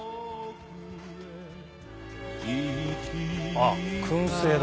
あぁ燻製だ。